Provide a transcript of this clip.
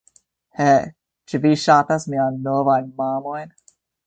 Hej' ĉu vi ŝatas miajn novajn mamojn